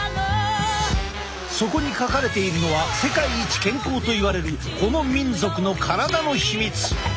そこに書かれているのは世界一健康といわれるこの民族の体のヒミツ。